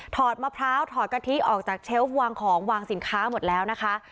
อดมะพร้าวถอดกะทิออกจากเชฟวางของวางสินค้าหมดแล้วนะคะ